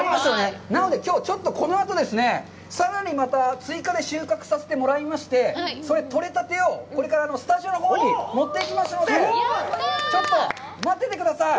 なので、きょう、ちょっとこのあとですね、さらにまた追加で収穫させてもらいまして、それ、取れたてをこれからスタジオのほうに持っていきますので、ちょっと待っててください。